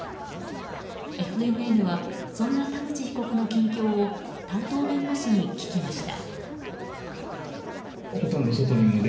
ＦＮＮはそんな田口被告の近況を担当弁護士に聞きました。